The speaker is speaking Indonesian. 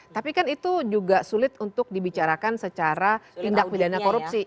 tapi kan itu juga sulit untuk dibicarakan secara tindak pidana korupsi